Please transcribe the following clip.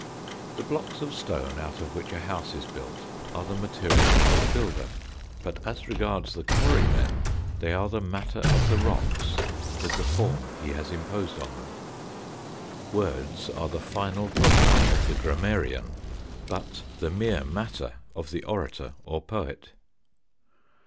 The blocks of stone out of which a house is built are the material for the builder ; but, as regards the quarry men, they are the matter of the rocks with the form he has imposed on them. Words are the final product of the grammarian, but the mere matter of the orator or poet.